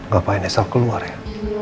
gapain esok keluar ya